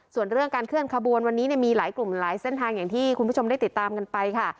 ส่วนเรื่องการเคลื่อนขบวนวันนี้มีหลายกลุ่มหลายเส้นทางอย่างที่คุณผู้ชมได้ติดตามกันไปค่ะ